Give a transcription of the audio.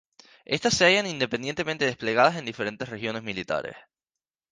Éstas se hallan independientemente desplegadas en diferentes regiones militares.